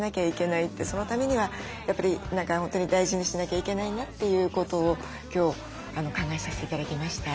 そのためにはやっぱり何か本当に大事にしなきゃいけないなということを今日考えさせて頂きました。